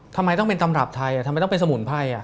ทำไมต้องเป็นตำรับไทยทำไมต้องเป็นสมุนไพร